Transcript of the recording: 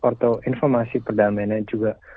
atau informasi perdamaiannya juga